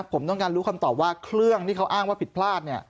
ผมต้องการรู้คำตอบว่าเครื่องที่เขาอ้างว่าผิดพลาด